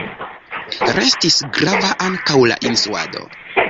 Restis grava ankaŭ la instruado.